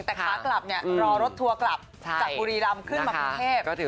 แต่ขาลับรอรถทัวร์กลับจากกุรีรามขึ้นมาประเทศ